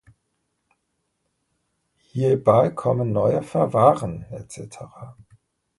Hierbei kommen neue Verfahren etc.